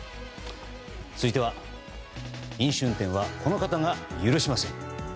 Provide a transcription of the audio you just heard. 続いては飲酒運転はこの方が許しません。